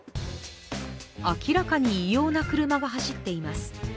明らかに異様な車が走っています。